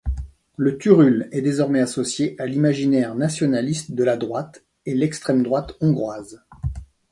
Le turul est désormais associé à l'imaginaire nationaliste de la droite et l'extrême-droite hongroise.